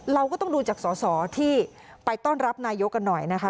เราก็ต้องดูจากสอสอที่ไปต้อนรับนายกกันหน่อยนะคะ